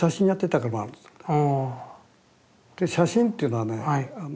で写真っていうのはね